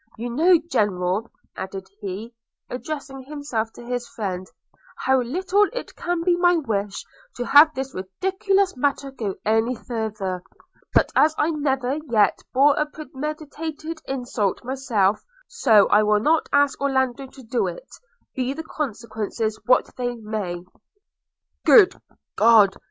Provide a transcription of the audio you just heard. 'You know, General,' added he, addressing himself to his friend, 'how little it can be my wish to have this ridiculous matter go any farther; but as I never yet bore a premeditated insult myself, so I will not ask Orlando to do it, be the consequences what they may.' 'Good God!'